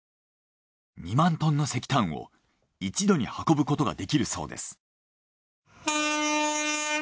２万トンの石炭を一度に運ぶことができるそうです。